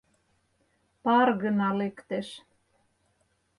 Пар гына лектеш.